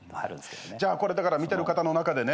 じゃあこれだから見てる方の中でね